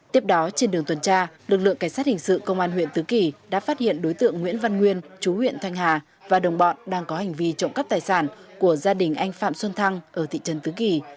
tiếp đó trên đường tuần tra lực lượng cảnh sát hình sự công an huyện tứ kỳ đã phát hiện đối tượng nguyễn văn nguyên chú huyện thanh hà và đồng bọn đang có hành vi trộm cắp tài sản của gia đình anh phạm xuân thăng ở thị trấn tứ kỳ